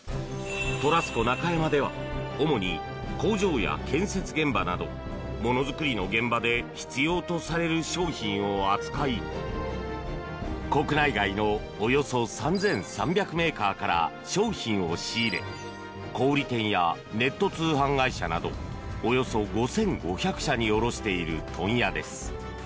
トラスコ中山では主に工場や建設現場などものづくりの現場で必要とされる商品を扱い国内外のおよそ３３００メーカーから商品を仕入れ小売店やネット通販会社などおよそ５５００社に卸している問屋です。